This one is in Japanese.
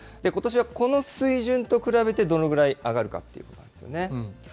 ことしはこの水準と比べて、どのぐらい上がるかということなんですよね。